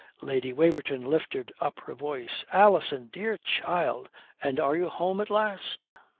Lady Waverton lifted up her voice. "Alison! Dear child! And are you home at last?